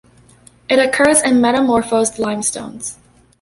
It occurs in metamorphosed limestones.